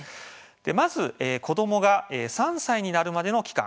まず、子どもが３歳になるまでの期間